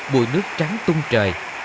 bùi nước trắng tung trời